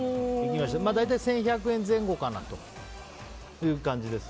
大体１１００円前後かなという感じです。